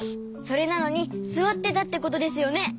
それなのにすわってたってことですよね？